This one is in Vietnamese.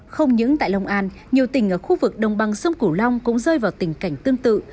không những tại long an nhiều tỉnh ở khu vực đồng bằng sông cửu long cũng rơi vào tình cảnh tương tự